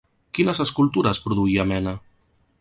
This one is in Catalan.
Quines escultures produïa Mena?